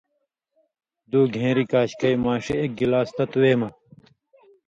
دُو گھېݩری کاشکئ، ماݜی ایک گلاس تتوۡ وے مہ